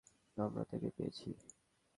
আমরা তাকে পেয়েছি।